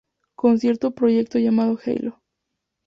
Conciertos proyecto llamado Hello!